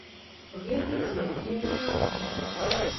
Паглядзіце, якія яны класныя!